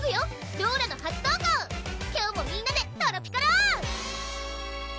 今日もみんなでトロピカろう！